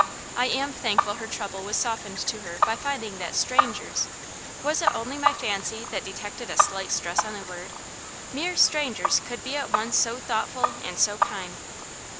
I am thankful her trouble was softened to her by finding that STRANGERS" (was it only my fancy that detected a slight stress on the word?) "mere strangers could be at once so thoughtful and so kind."